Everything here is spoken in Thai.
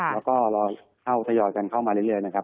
แล้วก็รอเข้าทยอยกันเข้ามาเรื่อยนะครับ